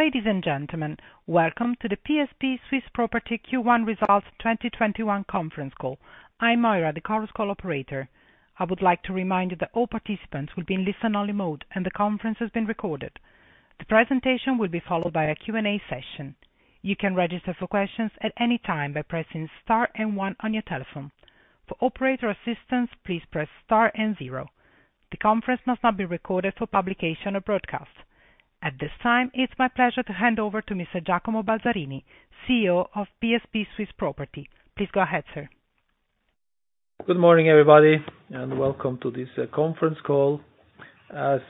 Ladies and gentlemen, welcome to the PSP Swiss Property Q1 Results 2021 conference call. I'm Moira, the conference call operator. I would like to remind you that all participants will be in listen-only mode, and the conference is being recorded. The presentation will be followed by a Q&A session. You can register for questions at any time by pressing star and one on your telephone. For operator assistance, please press star and zero. The conference must not be recorded for publication or broadcast. At this time, it's my pleasure to hand over to Mr Giacomo Balzarini, CEO of PSP Swiss Property. Please go ahead, sir. Good morning, everybody, and welcome to this conference call. As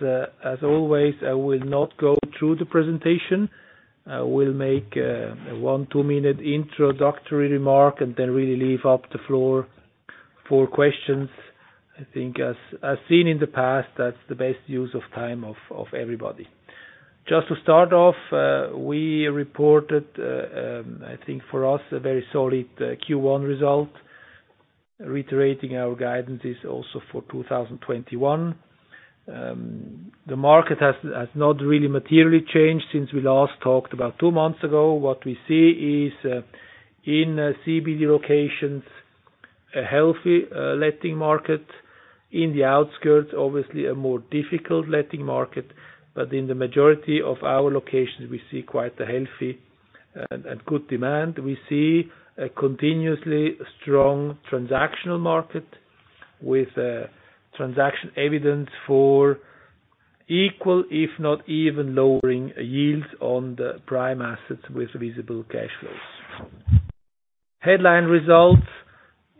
always, I will not go through the presentation. I will make a one to two-minute introductory remark. Then really leave the floor for questions. I think as seen in the past, that's the best use of time of everybody. Just to start off, we reported, I think for us, a very solid Q1 result, reiterating our guidance is also for 2021. The market has not really materially changed since we last talked about two months ago. What we see is, in CBD locations, a healthy letting market. In the outskirts, obviously a more difficult letting market. In the majority of our locations, we see quite a healthy and good demand. We see a continuously strong transactional market with transaction evidence for equal, if not even lowering yields on the prime assets with visible cash flows. Headline results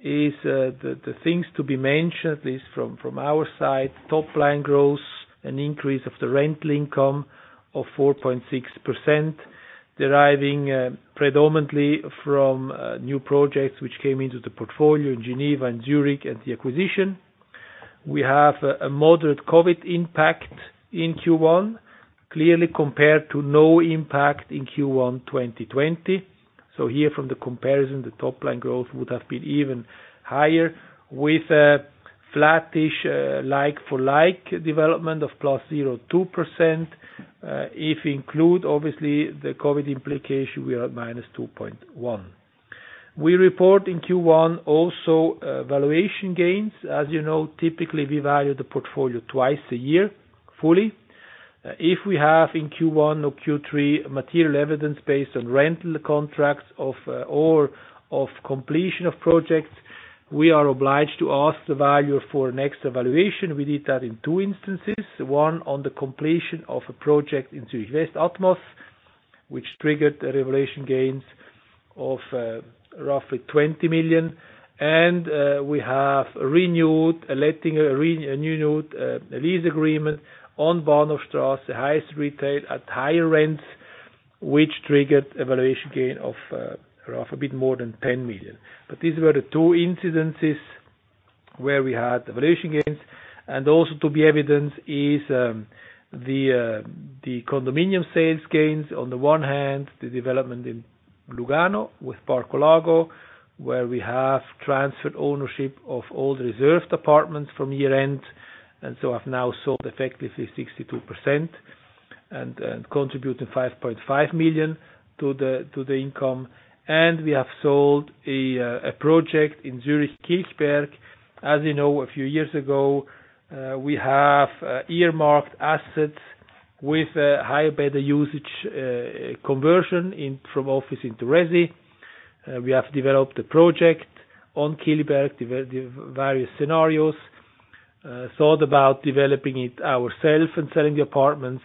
is the things to be mentioned, at least from our side, top-line growth, an increase of the rental income of 4.6%, deriving predominantly from new projects which came into the portfolio in Geneva and Zurich at the acquisition. We have a moderate COVID impact in Q1, clearly compared to no impact in Q1 2020. Here from the comparison, the top-line growth would have been even higher with a flattish like-for-like development of plus two percent. If we include, obviously, the COVID implication, we are at minus 2.1. We report in Q1 also valuation gains. As you know, typically, we value the portfolio twice a year fully. If we have in Q1 or Q3 material evidence based on rental contracts or of completion of projects, we are obliged to ask the valuer for next evaluation. We did that in two instances. One on the completion of a project in Zurich West Atmos, which triggered revaluation gains of roughly 20 million. We have renewed a letting, a new lease agreement on Bahnhofstrasse, the highest retail at higher rents, which triggered a valuation gain of a bit more than 10 million. These were the two incidences where we had valuation gains. Also to be evidenced is the condominium sales gains. On the one hand, the development in Lugano with Parco Lago, where we have transferred ownership of all the reserved apartments from year-end, have now sold effectively 62% and contributed 5.5 million to the income. We have sold a project in Zurich Kilchberg. As you know, a few years ago, we have earmarked assets with a higher beta usage conversion from office into resi. We have developed the project on Kilchberg, the various scenarios. Thought about developing it ourself and selling the apartments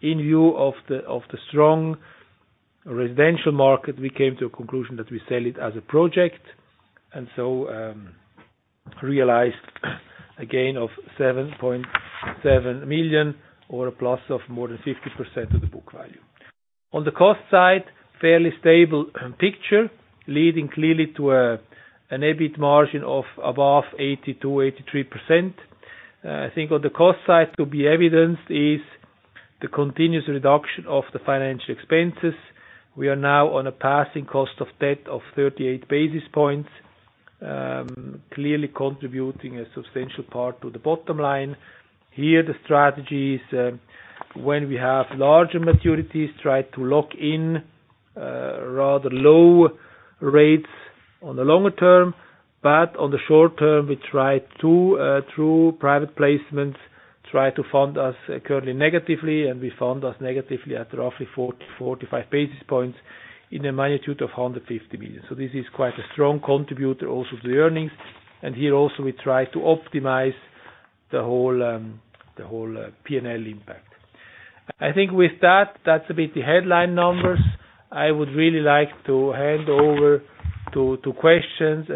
in view of the strong residential market. We came to a conclusion that we sell it as a project, and so realized a gain of 7.7 million or a plus of more than 50% of the book value. On the cost side, fairly stable picture, leading clearly to an EBIT margin of above 82%, 83%. I think on the cost side, to be evidenced is the continuous reduction of the financial expenses. We are now on a passing cost of debt of 38 basis points, clearly contributing a substantial part to the bottom line. Here, the strategy is when we have larger maturities, try to lock in rather low rates on the longer term. On the short term, we try to, through private placements, try to fund us currently negatively, and we fund us negatively at roughly 40, 45 basis points in a magnitude of 150 million. This is quite a strong contributor also to the earnings. Here also, we try to optimize the whole P&L impact. I think with that's a bit the headline numbers. I would really like to hand over to questions,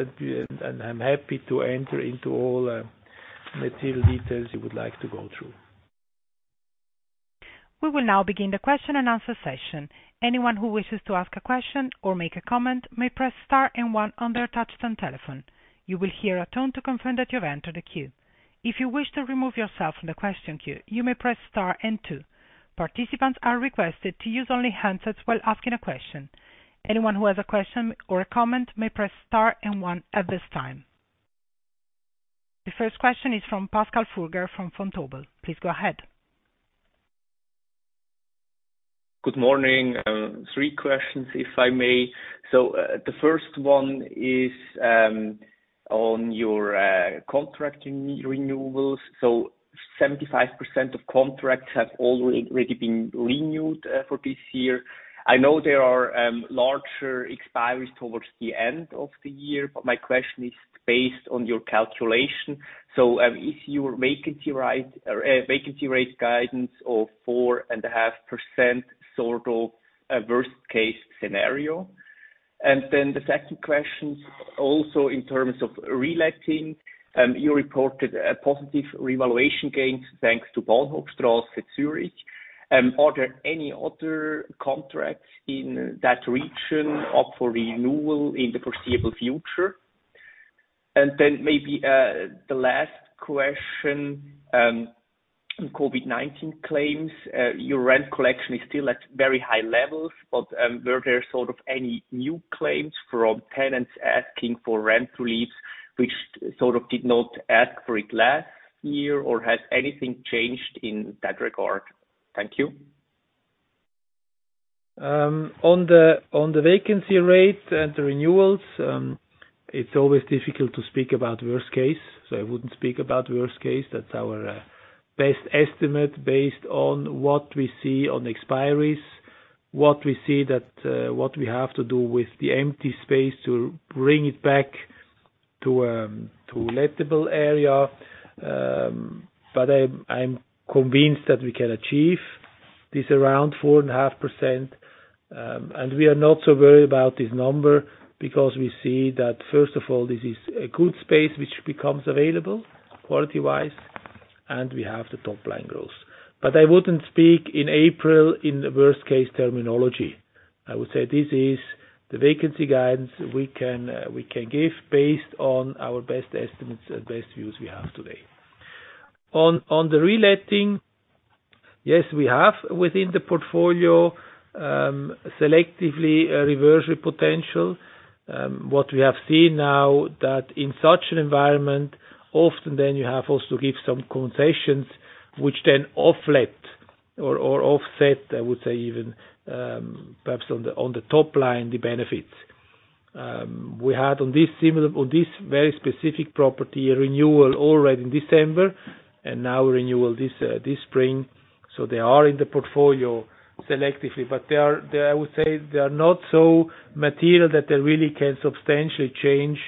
and I'm happy to enter into all material details you would like to go through. We will now begin the question and answer session. Anyone who wishes to ask a question or make a comment may press Star and one on their touch-tone telephone. You will hear a tone to confirm that you have entered a queue. If you wish to remove yourself from the question queue, you may press Star and two. Participants are requested to use only handsets while asking a question. Anyone who has a question or a comment may press Star and one at this time. The first question is from Pascal Fulger from Vontobel. Please go ahead. Good morning. three questions, if I may. The first one is on your contracting renewals. 75% of contracts have already been renewed for this year. I know there are larger expiries towards the end of the year, but my question is based on your calculation. Is your vacancy rate guidance of 4.5% sort of a worst-case scenario? The second question, also in terms of reletting, you reported a positive revaluation gains thanks to Bahnhofstrasse Zurich. Are there any other contracts in that region up for renewal in the foreseeable future? Maybe the last question, COVID-19 claims. Your rent collection is still at very high levels. Were there sort of any new claims from tenants asking for rent reliefs, which sort of did not ask for it last year? Has anything changed in that regard? Thank you. On the vacancy rate and the renewals, it's always difficult to speak about worst case, so I wouldn't speak about worst case. That's our best estimate based on what we see on expiries, what we see that what we have to do with the empty space to bring it back to lettable area. I'm convinced that we can achieve this around 4.5%, and we are not so worried about this number because we see that, first of all, this is a good space which becomes available quality-wise, and we have the top-line growth. I wouldn't speak in April in the worst case terminology. I would say this is the vacancy guidance we can give based on our best estimates and best views we have today. On the reletting, yes, we have, within the portfolio, selectively a reversal potential. What we have seen now that in such an environment, often then you have also to give some concessions which then offset, I would say even, perhaps on the top line, the benefits. We had on this very specific property, a renewal already in December and now a renewal this spring. They are in the portfolio selectively, but I would say they are not so material that they really can substantially change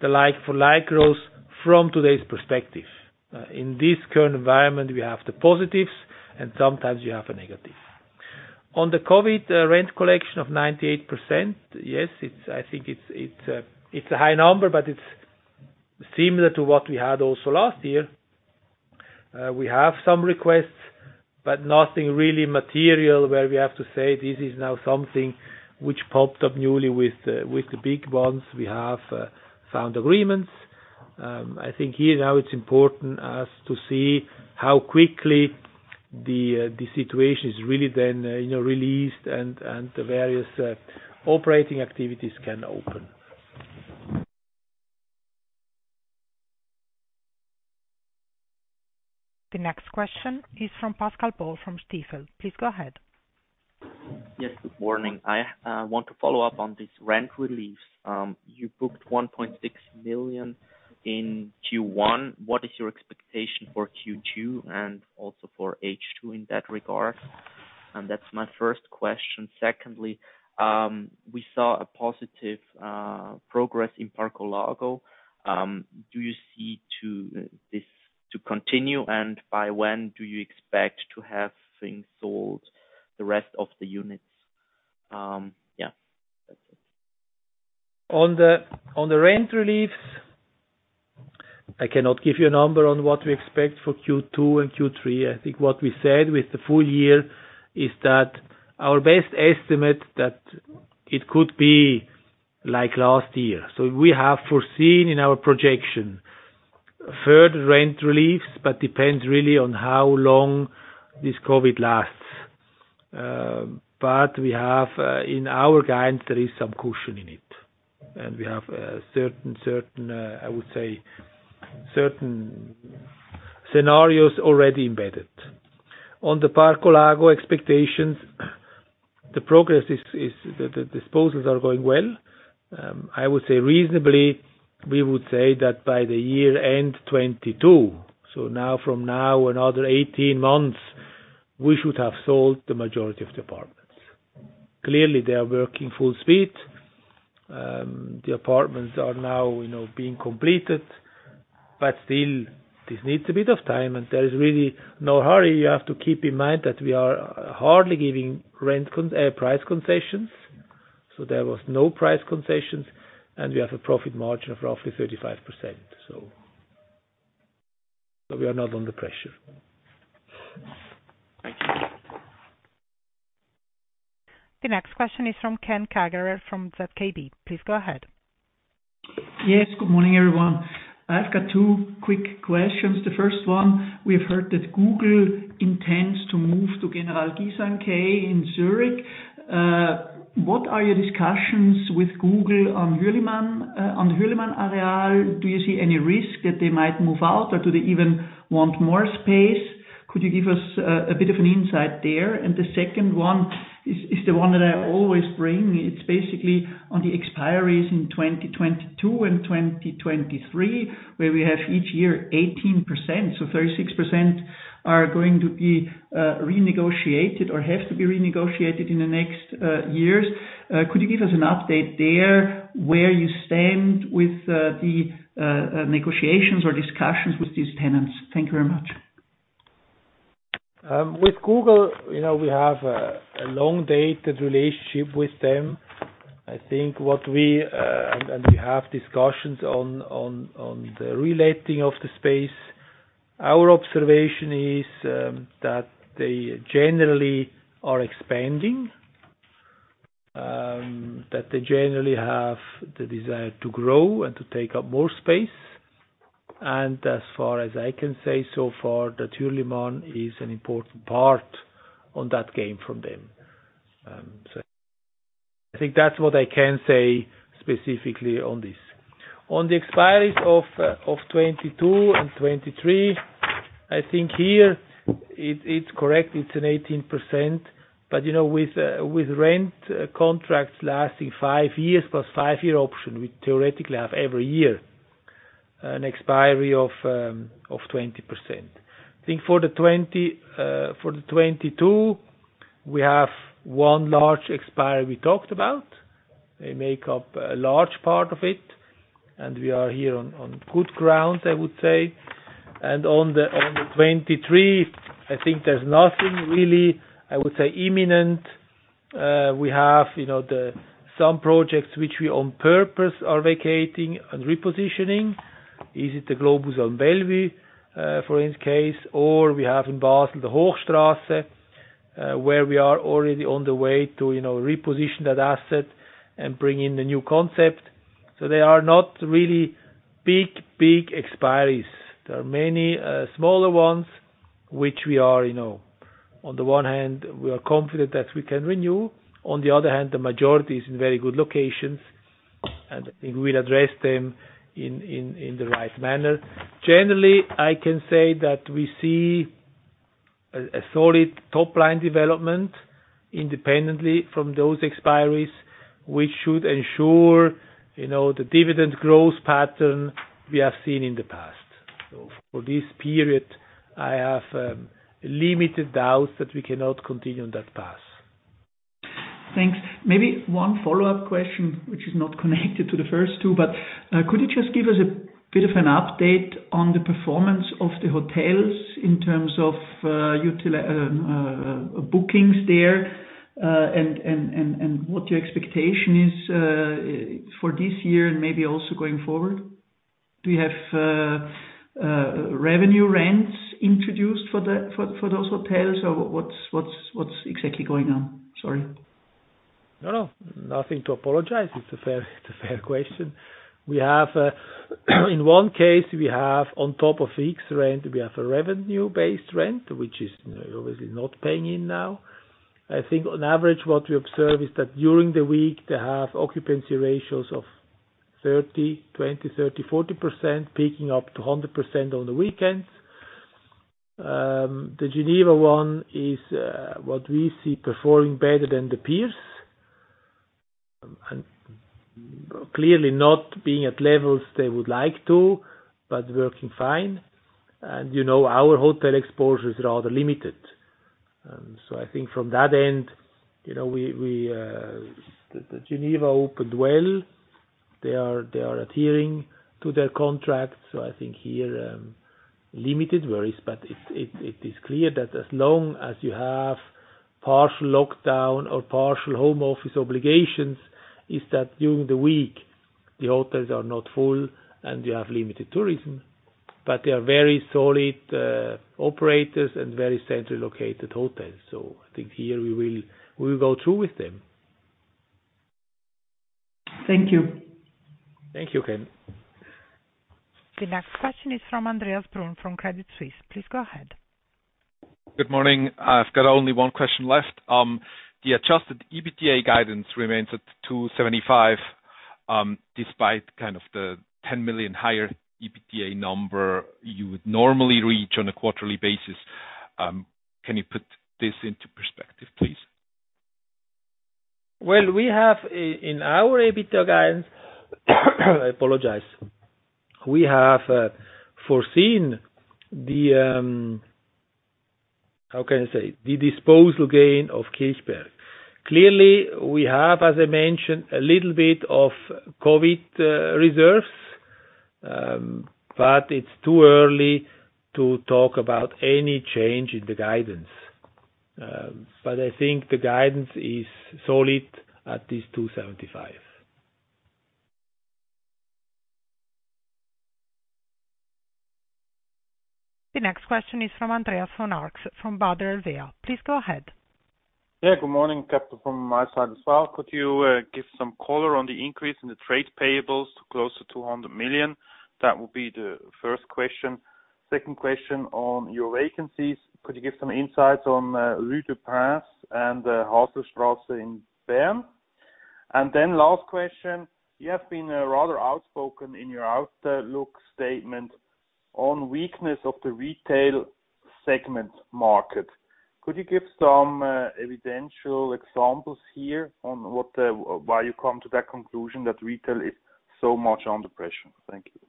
the like-for-like growth from today's perspective. In this current environment, we have the positives, and sometimes you have a negative. On the COVID rent collection of 98%, yes, I think it's a high number, but it's similar to what we had also last year. We have some requests, but nothing really material where we have to say this is now something which popped up newly with the big ones. We have found agreements. I think here now it's important as to see how quickly the situation is really then released and the various operating activities can open. The next question is from Pascal Bull from Stifel. Please go ahead. Yes, good morning. I want to follow up on this rent relief. You booked 1.6 million in Q1. What is your expectation for Q2 and also for second half in that regard? That's my first question. Secondly, we saw a positive progress in Parco Lago. Do you see this to continue, and by when do you expect to have things sold the rest of the units? Yeah, that's it. On the rent reliefs, I cannot give you a number on what we expect for Q2 and Q3. I think what we said with the full year is that our best estimate that it could be like last year. We have foreseen in our projection further rent reliefs, but depends really on how long this COVID lasts. We have in our guidance, there is some cushion in it, and we have, I would say, certain scenarios already embedded. On the Parco Lago expectations, the progress is the disposals are going well. I would say reasonably, we would say that by the year-end 2022. From now, another 18 months, we should have sold the majority of the apartments. Clearly, they are working full speed. The apartments are now being completed, but still, this needs a bit of time, and there is really no hurry. You have to keep in mind that we are hardly giving price concessions. There was no price concessions, and we have a profit margin of roughly 35%. We are not under pressure. Thank you. The next question is from Ken Kagerer from ZKB. Please go ahead. Yes. Good morning, everyone. I've got two quick questions. The first one, we have heard that Google intends to move to General-Guisan-Quai in Zurich. What are your discussions with Google on the Hürlimann Areal? Do you see any risk that they might move out, or do they even want more space? Could you give us a bit of an insight there? The second one is the one that I always bring. It's basically on the expiries in 2022 and 2023, where we have each year 18%, so 36% are going to be renegotiated or have to be renegotiated in the next years. Could you give us an update there, where you stand with the negotiations or discussions with these tenants? Thank you very much. With Google, we have a long-dated relationship with them. We have discussions on the relating of the space. Our observation is that they generally are expanding, that they generally have the desire to grow and to take up more space, as far as I can say so far, that Hürlimann is an important part on that game from them. I think that's what I can say specifically on this. On the expiries of 2022 and 2023, I think here it's correct, it's an 18%, with rent contracts lasting five years plus five-year option, we theoretically have every year an expiry of 20%. I think for the 2022, we have one large expiry we talked about. They make up a large part of it, we are here on good grounds, I would say. On the 2023, I think there's nothing really, I would say, imminent. We have some projects which we on purpose are vacating and repositioning. Is it the Globus on Bellevue, for this case, or we have in Basel the Hochstrasse, where we are already on the way to reposition that asset and bring in the new concept. They are not really big expiries. There are many smaller ones, which we are, on the one hand, confident that we can renew. On the other hand, the majority is in very good locations, and I think we'll address them in the right manner. Generally, I can say that we see a solid top-line development independently from those expiries, which should ensure the dividend growth pattern we have seen in the past. For this period, I have limited doubts that we cannot continue on that path. Thanks. Maybe one follow-up question, which is not connected to the first two, but could you just give us a bit of an update on the performance of the hotels in terms of bookings there, and what your expectation is for this year and maybe also going forward? Do you have revenue rents introduced for those hotels, or what's exactly going on? Sorry. No. Nothing to apologize. It's a fair question. In one case, we have on top of fixed rent, we have a revenue-based rent, which is obviously not paying in now. I think on average, what we observe is that during the week, they have occupancy ratios of 20, 30, 40%, peaking up to 100% on the weekends. The Geneva one is what we see performing better than the peers, clearly not being at levels they would like to, but working fine. Our hotel exposure is rather limited. I think from that end, Geneva opened well. They are adhering to their contract. I think here, limited worries, but it is clear that as long as you have partial lockdown or partial home office obligations, is that during the week, the hotels are not full and you have limited tourism. They are very solid operators and very centrally located hotels. I think here we will go through with them. Thank you. Thank you, Ken. The next question is from Andreas Brun, from Credit Suisse. Please go ahead. Good morning. I've got only one question left. The adjusted EBITDA guidance remains at 275, despite the 10 million higher EBITDA number you would normally reach on a quarterly basis. Can you put this into perspective, please? Well, we have in our EBITDA guidance, I apologize. We have foreseen the, how can I say, the disposal gain of Kilchberg. Clearly, we have, as I mentioned, a little bit of COVID reserves. It's too early to talk about any change in the guidance. I think the guidance is solid at this 275. The next question is from Andreas von Arx from Baader Helvea. Please go ahead. Good morning. Capital from my side as well. Could you give some color on the increase in the trade payables to close to 200 million? That would be the first question. Second question on your vacancies. Could you give some insights on Rue du Prince and the Haslerstrasse in Bern? Last question. You have been rather outspoken in your outlook statement on weakness of the retail segment market. Could you give some evidential examples here on why you come to that conclusion that retail is so much under pressure? Thank you.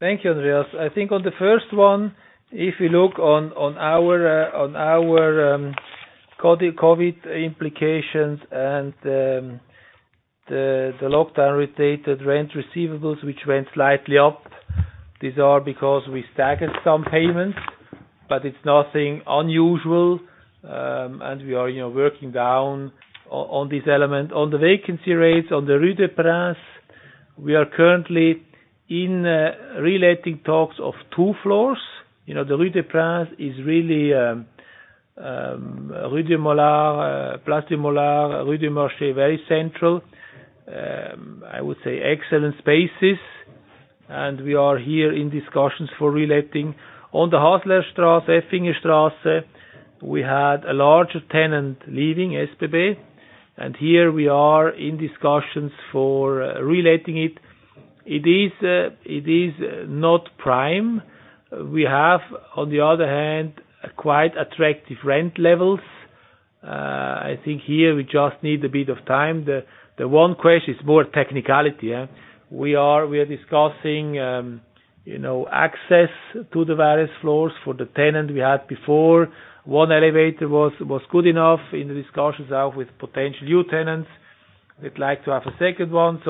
Thank you, Andreas. I think on the first one, if you look on our COVID implications and the lockdown-related rent receivables, which went slightly up, these are because we staggered some payments, but it's nothing unusual. We are working down on this element. On the vacancy rates on the Rue du Prince, we are currently in reletting talks of two floors. The Rue du Prince is really Rue du Molard, Place du Molard, Rue du Marché, very central. I would say excellent spaces. We are here in discussions for reletting. On the Haslerstrasse, Effingerstrasse, we had a large tenant leaving, SBB. Here we are in discussions for reletting it. It is not prime. We have, on the other hand, quite attractive rent levels. I think here we just need a bit of time. The one question is more technicality. We are discussing access to the various floors for the tenant we had before. One elevator was good enough. In the discussions now with potential new tenants, they'd like to have a second one.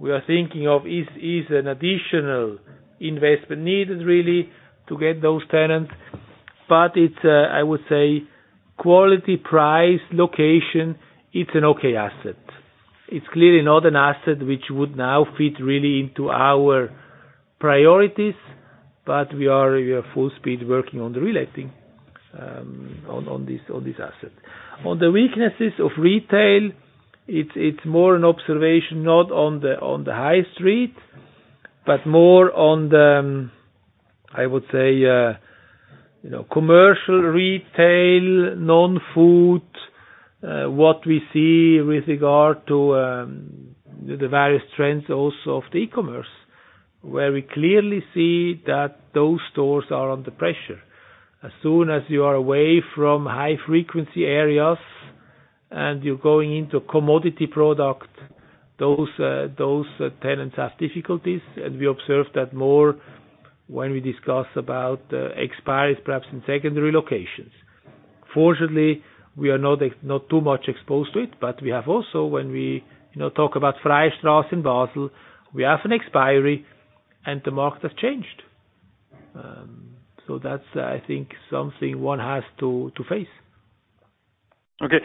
We are thinking of, is an additional investment needed, really, to get those tenants? It's, I would say, quality, price, location. It's an okay asset. It's clearly not an asset which would now fit really into our priorities, but we are full speed working on the reletting on this asset. On the weaknesses of retail, it's more an observation, not on the high street, but more on the, I would say, commercial retail, non-food, what we see with regard to the various trends also of the e-commerce, where we clearly see that those stores are under pressure. As soon as you are away from high-frequency areas and you're going into commodity product, those tenants have difficulties, and we observe that more when we discuss about expiries, perhaps in secondary locations. Fortunately, we are not too much exposed to it. We have also, when we talk about Freie Strasse in Basel, we have an expiry and the market has changed. That's, I think, something one has to face. Okay.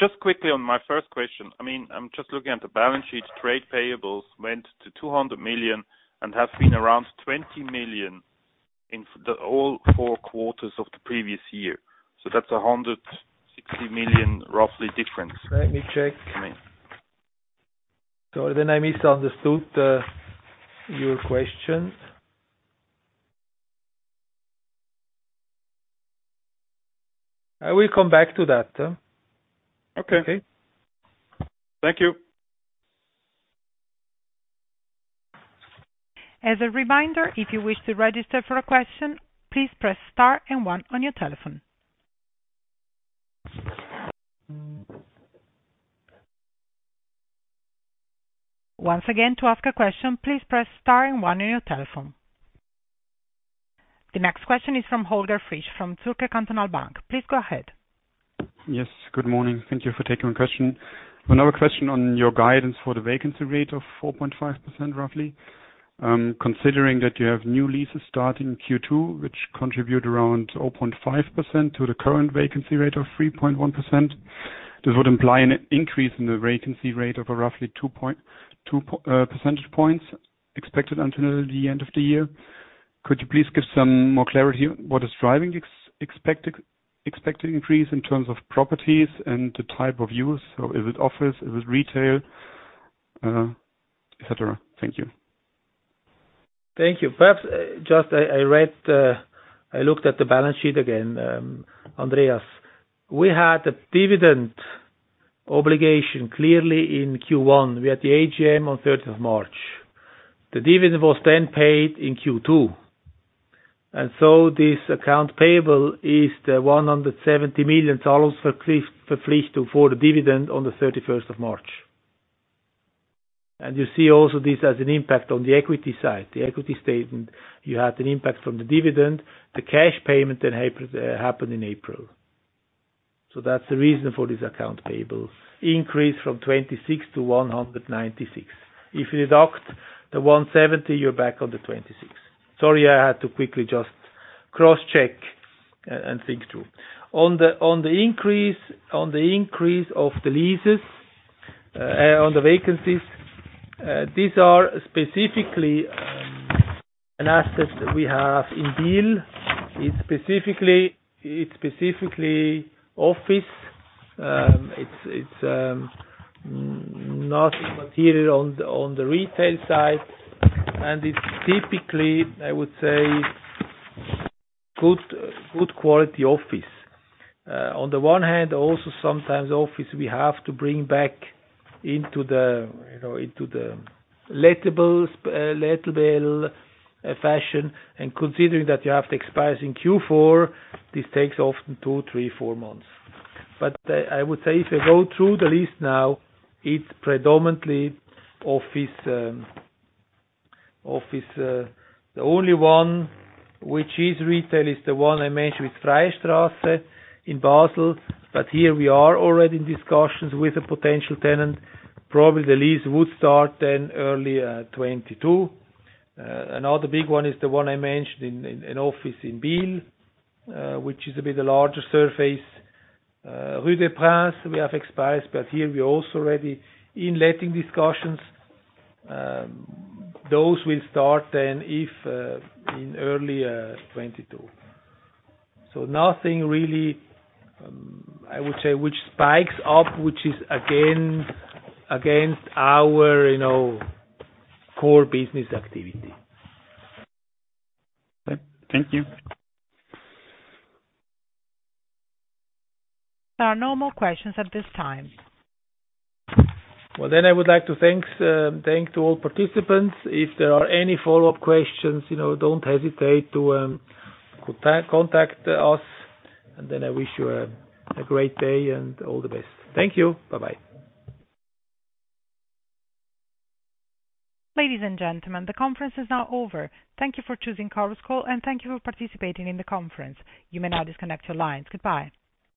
Just quickly on my first question, I'm just looking at the balance sheet. Trade payables went to 200 million and has been around 20 million in all four quarters of the previous year. That's 160 million, roughly, difference. Let me check. I mean. Sorry. I misunderstood your question. I will come back to that. Okay. Okay? Thank you. As a reminder, if you wish to register for a question, please press star and one on your telephone. Once again, to ask a question, please press star and one on your telephone. The next question is from Holger Frisch from Zürcher Kantonalbank. Please go ahead. Yes, good morning. Thank you for taking the question. Another question on your guidance for the vacancy rate of 4.5%, roughly. Considering that you have new leases starting Q2, which contribute around 0.5% to the current vacancy rate of 3.1%, this would imply an increase in the vacancy rate of roughly two percentage points expected until the end of the year. Could you please give some more clarity? What is driving expected increase in terms of properties and the type of use? Is it office, is it retail, et cetera? Thank you. Thank you. Perhaps just I looked at the balance sheet again, Andreas. We had a dividend obligation clearly in Q1. We had the AGM on 30th of March. The dividend was paid in Q2. This account payable is the 170 million for the dividend on the 31st of March. You see also this has an impact on the equity side, the equity statement. You had an impact from the dividend. The cash payment happened in April. That's the reason for this account payable increase from 26 to 196. If you deduct the 170, you're back on the 26. Sorry, I had to quickly just cross-check and think through. On the increase of the leases on the vacancies, these are specifically an asset we have in deal. It's specifically office. It's nothing material on the retail side. It's typically, I would say, good quality office. On the one hand, also sometimes office, we have to bring back into the lettable fashion. Considering that you have the expires in Q4, this takes often two, three, four months. I would say if I go through the list now, it's predominantly office. The only one which is retail is the one I mentioned with Freie Strasse in Basel. Here we are already in discussions with a potential tenant. Probably the lease would start in early 2022. Another big one is the one I mentioned, an office in Biel, which is a bit larger surface. Rue du Prince, we have expired, but here we're also already in letting discussions. Those will start in early 2022. Nothing really, I would say, which spikes up, which is against our core business activity. Okay. Thank you. There are no more questions at this time. I would like to thank to all participants. If there are any follow-up questions, don't hesitate to contact us. I wish you a great day and all the best. Thank you. Bye-bye. Ladies and gentlemen, the conference is now over. Thank you for choosing Chorus Call, and thank you for participating in the conference. You may now disconnect your lines. Goodbye.